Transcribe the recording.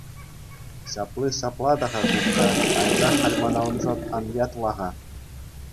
Ҫапли ҫапла та-ха, кукка, анчах халь мана уншӑн ан ятла-ха.